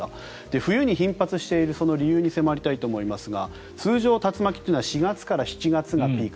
冬に頻発しているその理由に迫りたいと思いますが通常竜巻というのは４月から７月がピーク。